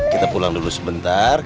kita pulang dulu sebentar